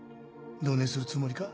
どねぇするつもりか？